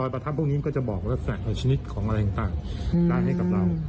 รอยประทับพวกนี้มันก็จะบอกว่าสนับสนุนชนิดของอะไรต่างอืมได้ให้กับเรา